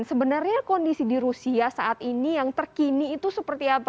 sebenarnya kondisi di rusia saat ini yang terkini itu seperti apa